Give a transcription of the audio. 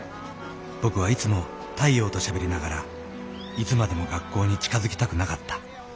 僕はいつも太陽としゃべりながらいつまでも学校に近づきたくなかったあの子よ。